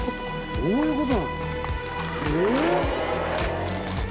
どういうこと？